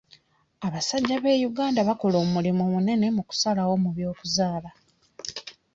Abasajja be Uganda bakola omulimu munene mu kusalawo mu by'okuzaala.